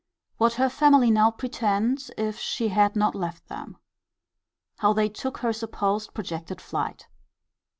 What her family now pretend, if she had not left them. How they took her supposed projected flight.